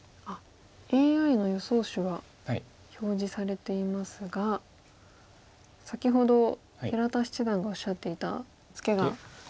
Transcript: あっＡＩの予想手が表示されていますが先ほど平田七段がおっしゃっていたツケが。